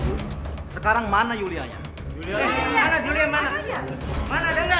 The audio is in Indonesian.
julia mana mana dendam